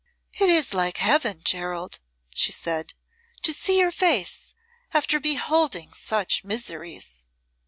"It is like Heaven, Gerald," she said, "to see your face, after beholding such miseries."